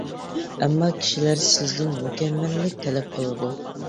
ئەمما كىشىلەر سىزدىن مۇكەممەللىك تەلەپ قىلىدۇ.